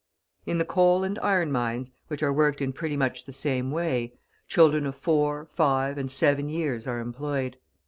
In the coal and iron mines which are worked in pretty much the same way, children of four, five, and seven years are employed.